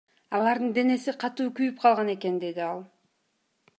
Алардын денеси катуу күйүп калган экен, — деди ал.